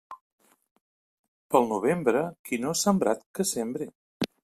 Pel novembre, qui no ha sembrat, que sembre.